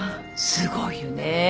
すごいよね。